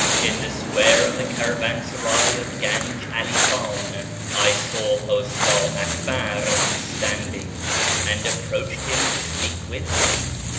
In the square of the caravansaray of Ganj 'All Khan, I saw Usta Akbar standing, and approached him to speak with him.